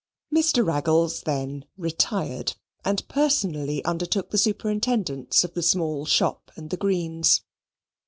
Mr. Raggles then retired and personally undertook the superintendence of the small shop and the greens.